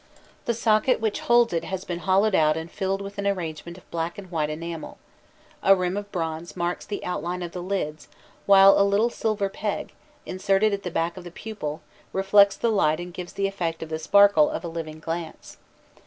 The socket which holds it has been hollowed out and filled with an arrangement of black and white enamel; a rim of bronze marks the outline of the lids, while a little silver peg, inserted at the back of the pupil, reflects the light and gives the effect of the sparkle of a living glance.